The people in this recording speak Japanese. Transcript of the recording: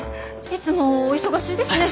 いつもお忙しいですね。